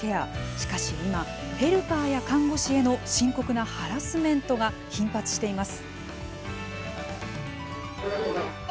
しかし今、ヘルパーや看護師への深刻なハラスメントが頻発しています。